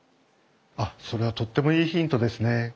あっそれはとってもいいヒントですね。